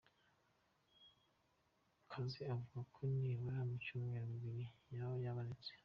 Kaze avuga ko nibura mu byumweru bibiri yaba yabonetse.